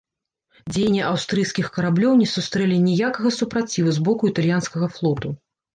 Дзеянні аўстрыйскіх караблёў не сустрэлі ніякага супраціву з боку італьянскага флоту.